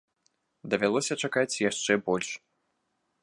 Давялося чакаць яшчэ больш.